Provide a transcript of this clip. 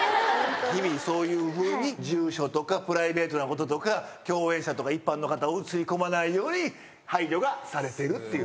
日々そういうふうに住所とかプライベートなこととか共演者とか一般の方映り込まないように配慮がされてるっていう。